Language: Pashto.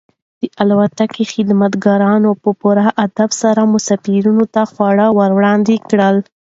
د الوتکې خدمتګارانو په پوره ادب سره مسافرانو ته خواړه وړاندې کړل.